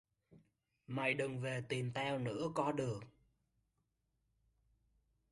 Mày đừng về tìm tao nữa có được